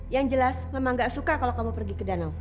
yang jelas memang gak suka kalau kamu pergi ke danau